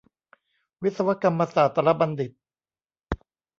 วิศวกรรมศาสตรบัณฑิต